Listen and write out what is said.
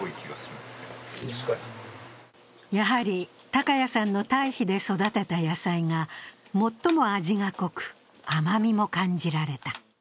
やはり高谷さんの堆肥で育てた野菜が最も味が濃く、甘みも感じられた。